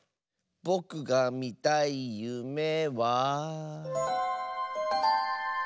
ぼくがみたいゆめは。